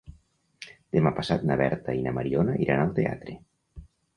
Demà passat na Berta i na Mariona iran al teatre.